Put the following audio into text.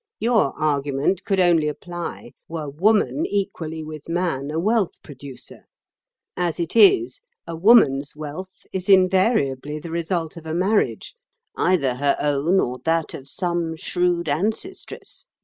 Your argument could only apply were woman equally with man a wealth producer. As it is, a woman's wealth is invariably the result of a marriage, either her own or that of some shrewd ancestress.